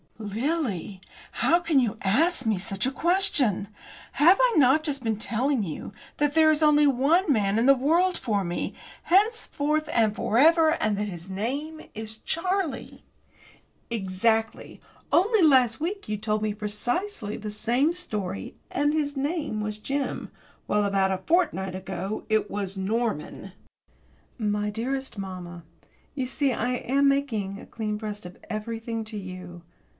"Lily! How can you ask me such a question? Have I not just been telling you that there is only one man in the world for me, henceforth and for ever, and that his name is Charlie?" "Exactly. Only last week you told me precisely the same story, and his name was Jim, while about a fortnight ago, it was Norman." My dearest mamma, you see I am making a clean breast of everything to you.